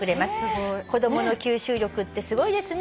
「子供の吸収力ってすごいですね」